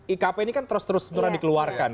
ikp ini kan terus terusan dikeluarkan